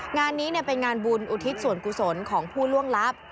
งานนี้เป็นงานบุญอุทิศส่วนกุศลของผู้ล่วงลับ